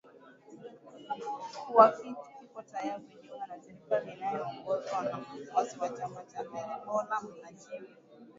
kuwa kiko tayari kujiunga na serikali inayoongozwa na mfuasi wa chama cha hezbollah najim